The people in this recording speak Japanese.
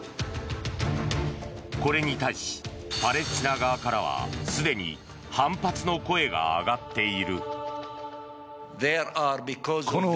これに対し、パレスチナ側からはすでに反発の声が上がっている。